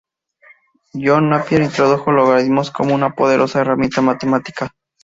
John Napier introdujo los logaritmos como una poderosa herramienta matemática.